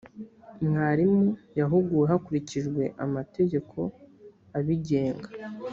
mwarimu yahuguwe hakurikijwe amategeko abigenga.